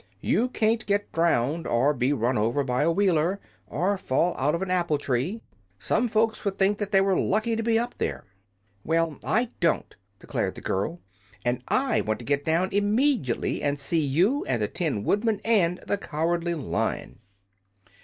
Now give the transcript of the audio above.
You can't get drowned, or be run over by a Wheeler, or fall out of an apple tree. Some folks would think they were lucky to be up there." "Well, I don't," declared the girl, "and I want to get down immed'i'tly and see you and the Tin Woodman and the Cowardly Lion."